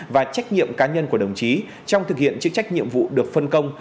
và trách nhiệm cá nhân của đồng chí trong thực hiện chức trách nhiệm vụ được phân công